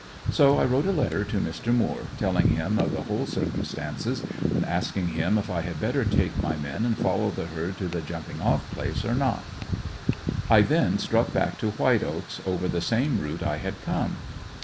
So I wrote a letter to Mr. Moore, telling him of the whole circumstances, and asking him if I had better take my men and follow the herd to the jumping off place or not? I then struck back to White Oaks over the same route I had come.